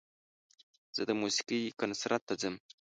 زه د موسیقۍ کنسرت ته ځم.